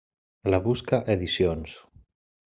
La Busca Edicions.